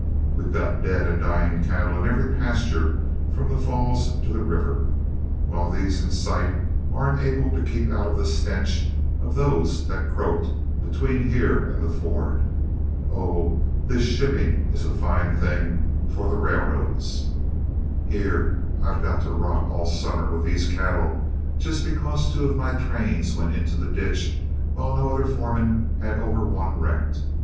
We've got dead and dying cattle in every pasture from the falls to the river, while these in sight aren't able to keep out of the stench of those that croaked between here and the ford. Oh, this shipping is a fine thing for the railroads. Here I've got to rot all summer with these cattle, just because two of my trains went into the ditch while no other foreman had over one wrecked.